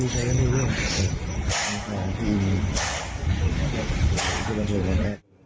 มีใครกันด้วย